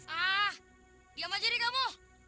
ah diam aja deh kamu